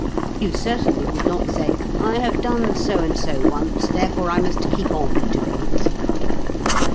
You certainly would not say: "I have done so and so once, therefore I must keep on doing it."